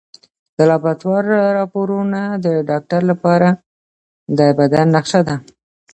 د لابراتوار راپورونه د ډاکټر لپاره د بدن نقشه ده.